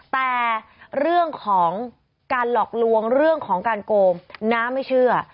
แต่เรื่องของการหลอกลวงเรื่องของการโกงน้าไม่เชื่อ